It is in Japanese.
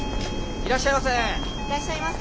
いらっしゃいませ！